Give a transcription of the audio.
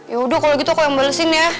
yaudah kalau gitu aku yang balesin ya